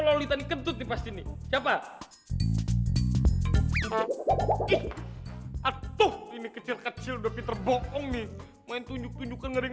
lo mah kebanyakan nonton sinetron